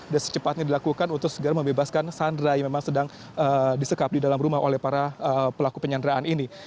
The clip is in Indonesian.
dan secepatnya dilakukan untuk segera membebaskan sandra yang memang sedang disekap di dalam rumah oleh para pelaku penyandraan ini